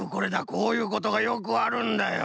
こういうことがよくあるんだよ。